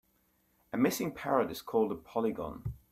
A missing parrot is called a polygon.